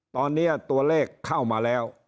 ตอนนี้ตัวเลขเข้ามาแล้ว